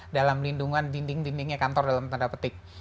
dalam lindungan dinding dindingnya kantor dalam tanda petik